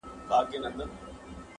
واخله د خزان سندره زه به درته یاد سمه -